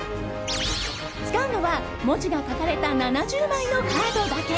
使うのは、文字が書かれた７０枚のカードだけ。